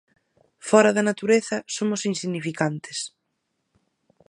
Fóra da natureza somos insignificantes.